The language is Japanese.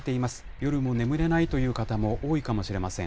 夜も眠れないという方も多いかもしれません。